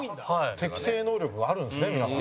塙：適性能力があるんですね、皆さん。